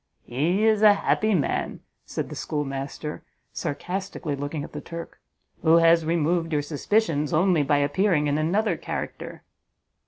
"He is a happy man," said the schoolmaster, sarcastically looking at the Turk, "who has removed your suspicions only by appearing in another character!"